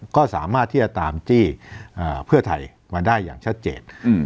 ก็สามารถที่จะตามจี้เพื่อไทยมาได้อย่างชัดเจน